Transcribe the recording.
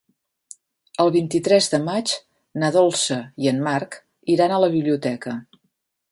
El vint-i-tres de maig na Dolça i en Marc iran a la biblioteca.